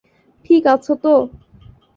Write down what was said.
ঠিক আছো তো?